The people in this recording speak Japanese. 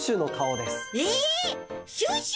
えシュッシュ！？